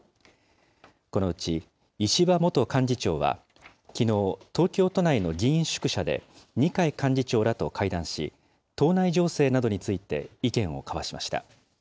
このうち、石破元幹事長はきのう、東京都内の議員宿舎で二階幹事長らと会談し、党内情勢などについて意見を交わしました。